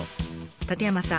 舘山さん